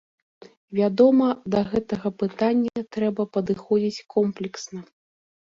Вядома, да гэтага пытання трэба падыходзіць комплексна.